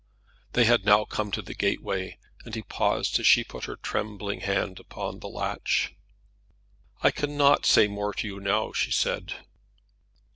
They had now come to the gateway, and he paused as she put her trembling hand upon the latch. "I cannot say more to you now," she said.